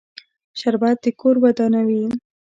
شربت د کور ودانوي